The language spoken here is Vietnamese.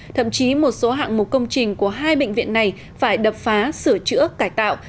thậm chí một số hạng mục công trình của hai bệnh viện này phải đập phá sửa chữa cải tạo